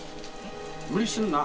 無理するな。